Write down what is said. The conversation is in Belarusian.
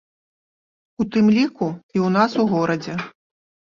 У тым ліку, і ў нас у горадзе.